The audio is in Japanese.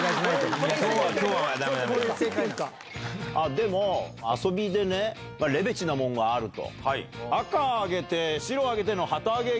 でも遊びでレベチなもんがあると。